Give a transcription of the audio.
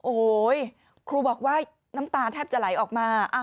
โอ้โหครูบอกว่าน้ำตาแทบจะไหลออกมา